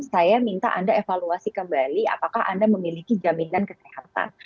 saya minta anda evaluasi kembali apakah anda memiliki jaminan kesehatan